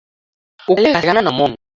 Ukalegha sighana na omoni